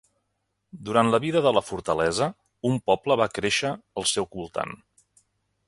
Durant la vida de la fortalesa, un poble va créixer al seu voltant.